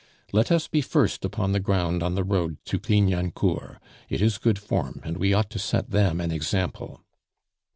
"Let us be first upon the ground on the road to Clignancourt; it is good form, and we ought to set them an example."